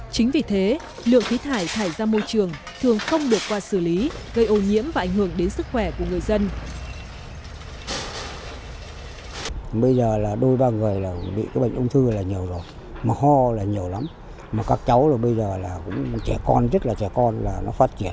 chính vì thế lượng khí thải thải ra môi trường thường không được qua xử lý gây ô nhiễm và ảnh hưởng đến sức khỏe của người dân